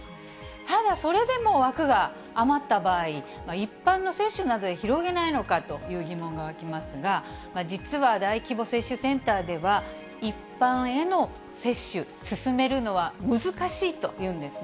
ただ、それでも枠が余った場合、一般の接種などへ広げないのかという疑問が湧きますが、実は大規模接種センターでは、一般への接種、進めるのは難しいというんですね。